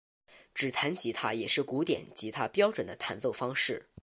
指弹吉他也是古典吉他标准的弹奏方式。